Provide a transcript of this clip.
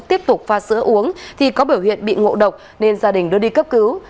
tiếp tục pha sữa uống thì có biểu hiện bị ngộ độc nên gia đình đưa đi cấp cứu